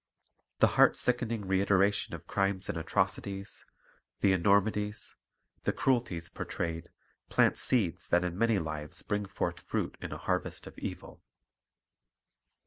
The heart sickening reiteration of crimes and atrocities, the enormities, the cruelties portrayed, plant seeds that in many lives bring forth fruit in a harvest of evil.